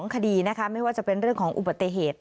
คดีนะคะไม่ว่าจะเป็นเรื่องของอุบัติเหตุ